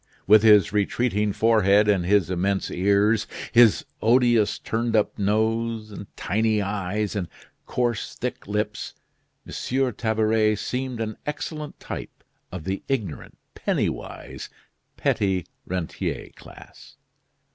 With his retreating forehead, and his immense ears, his odious turned up nose, tiny eyes, and coarse, thick lips, M. Tabaret seemed an excellent type of the ignorant, pennywise, petty rentier class.